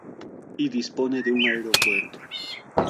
Y dispone de un aeropuerto.